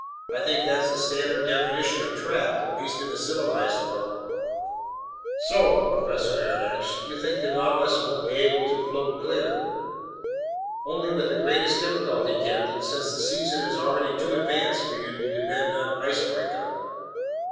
I think that's the standard definition of 'trapped,' at least in the civilized world." "So, Professor Aronnax, you think the Nautilus won't be able to float clear?" "Only with the greatest difficulty, captain, since the season is already too advanced for you to depend on an ice breakup."